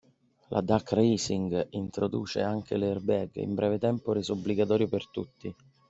La Dac Racing introduce anche l’Air-bag, in breve tempo reso obbligatorio per tutti.